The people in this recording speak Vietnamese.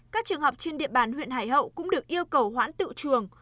các trường hợp trên địa bàn huyện hải hậu cũng được yêu cầu hoãn tự trường